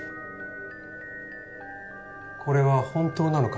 これは本当なのか？